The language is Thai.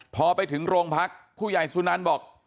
พอไปถึงโรงพักผู้ใหญ่สุนันบอก